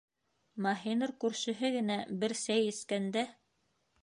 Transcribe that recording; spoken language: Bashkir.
Маһинур күршеһе генә бер сәй эскәндә: